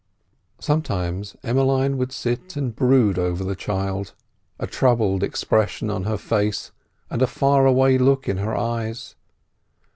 Sometimes Emmeline would sit and brood over the child, a troubled expression on her face and a far away look in her eyes.